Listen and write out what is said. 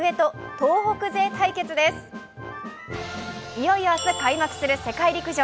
いよいよ明日開幕する世界陸上。